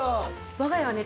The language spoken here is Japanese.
我が家はね